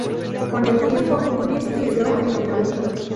Con el tiempo, Flip quedó en el olvido.